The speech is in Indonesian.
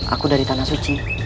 aku dari tanah suci